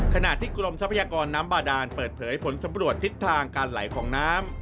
ขณะที่กรมทรัพยากรน้ำบาดานเปิดเผยผลสำรวจทิศทางการไหลของน้ำ